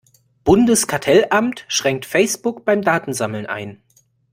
Bundeskartellamt schränkt Facebook beim Datensammeln ein.